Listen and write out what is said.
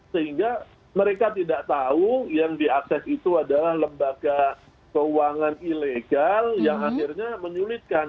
sehingga mereka tidak tahu yang diakses itu adalah lembaga keuangan ilegal yang akhirnya menyulitkan